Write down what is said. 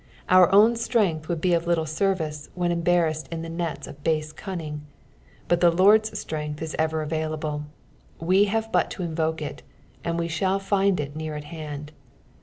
Our own strength would be of little service when embarrassed in the nets of base cunning, but the Lord's strength is ever available ; wo have but to invoke it, and WQ shall find it near at hand.